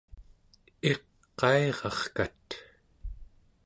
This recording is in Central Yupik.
iqairarkat